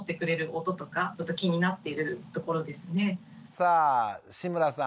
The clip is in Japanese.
さあ志村さん